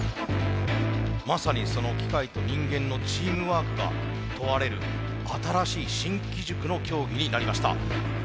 まさにその機械と人間のチームワークが問われる新しい新機軸の競技になりました。